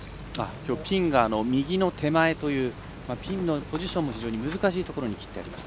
きょうはピンが右の手前というピンのポジションも非常に難しいところにきってあります。